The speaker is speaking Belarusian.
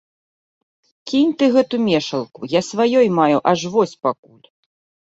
Кінь ты гэту мешалку, я сваёй маю аж вось пакуль!